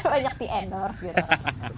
banyak di endorse gitu